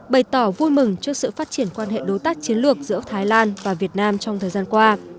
bày tỏ vui mừng trước sự phát triển quan hệ đối tác chiến lược giữa thái lan và việt nam trong thời gian qua